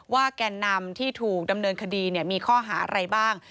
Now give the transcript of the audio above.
แก่นนำที่ถูกดำเนินคดีมีข้อหาอะไรบ้าง